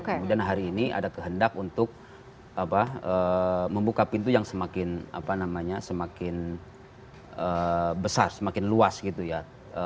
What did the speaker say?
kemudian hari ini ada kehendak untuk membuka pintu yang semakin apa namanya semakin besar semakin luas gitu ya